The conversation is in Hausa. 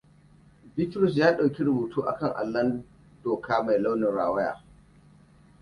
Bitrus ya dauki rubutu akan allon doka mai launin rawaya.